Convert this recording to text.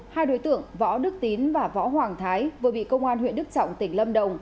hai đối tượng võ đức tín và võ hoàng thái vừa bị công an huyện đức trọng tỉnh lâm đồng